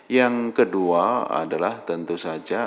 yang kedua adalah tentu saja